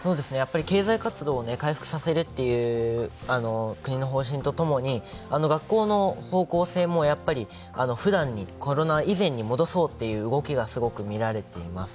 経済活動を回復させるという国の方針と共に、学校の方向性もふだんに、コロナ以前に戻そうという動きがすごくみられています。